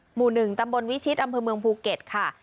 หมู่๑ตำบลวิชิตอำเภอเมืองภูเก็ตค่ะ